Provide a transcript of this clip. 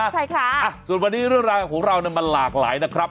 ใช่ค่ะส่วนวันนี้เรื่องราวของเรามันหลากหลายนะครับ